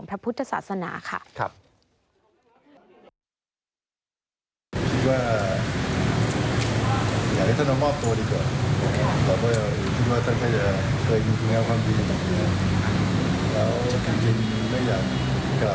แต่พี่ว่าถ้าเกิดมาเกิดความดีเลย